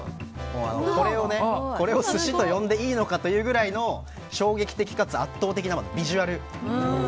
これを寿司と呼んでいいのかというぐらいの衝撃的かつ圧倒的なビジュアル。